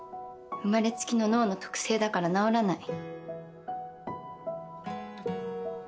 生まれつきの脳の特性だから治らない。